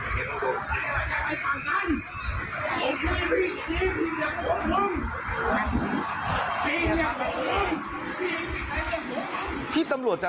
สวัสดีครับคุณผู้ชาย